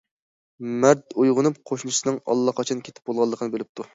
مەرد ئويغىنىپ قوشنىسىنىڭ ئاللىقاچان كېتىپ بولغانلىقىنى بىلىپتۇ.